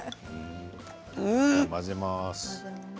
混ぜます。